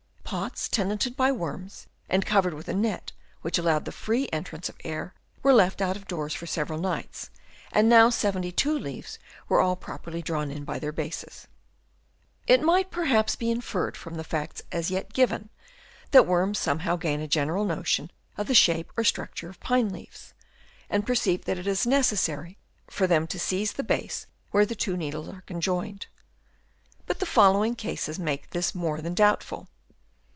Pots tenanted by worms and covered with a net which allowed the free entrance of air, were left out of doors for several nights, and now 72 leaves were all properly drawn in by their bases. 78 HABITS OF WORMS. Chap. II. It might perhaps be inferred from the facts as yet given, that worms somehow gain a general notion of the shape or structure of pine leaves, and perceive that it is necessary for them to seize the base where the two needles are conjoined. But the following cases make this more than doubtful.